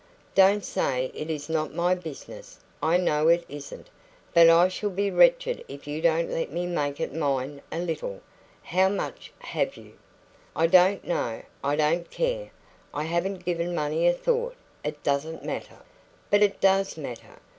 Don't say it is not my business; I know it isn't, but I shall be wretched if you don't let me make it mine a little. How much have you?" "I don't know. I don't care. I haven't given money a thought. It doesn't matter." "But it does matter.